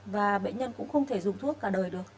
và bệnh nhân cũng không thể dùng thuốc cả đời được